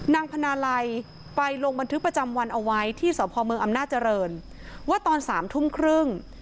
พนาลัยไปลงบันทึกประจำวันเอาไว้ที่สพเมืองอำนาจริงว่าตอนสามทุ่มครึ่ง